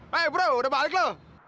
hei bro udah balik lo